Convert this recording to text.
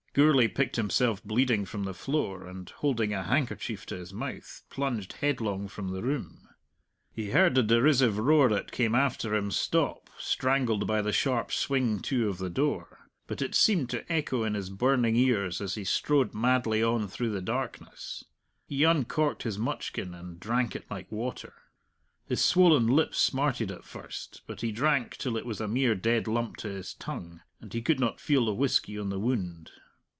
Gourlay picked himself bleeding from the floor, and holding a handkerchief to his mouth, plunged headlong from the room. He heard the derisive roar that came after him stop, strangled by the sharp swing to of the door. But it seemed to echo in his burning ears as he strode madly on through the darkness. He uncorked his mutchkin and drank it like water. His swollen lip smarted at first, but he drank till it was a mere dead lump to his tongue, and he could not feel the whisky on the wound.